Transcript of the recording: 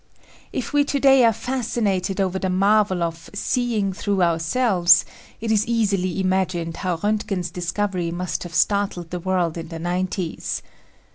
If we today are fascinated over the marvel of "seeing through our selves" it is easily imagined how Roentgen's discovery must have startled the world in the nineties.